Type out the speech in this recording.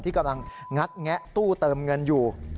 กำลังงัดแงะตู้เติมเงินอยู่